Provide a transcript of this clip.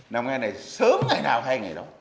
làm ngay này sớm ngày nào hay ngày đó